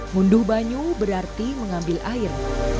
ngunduh banyu berarti mengambil air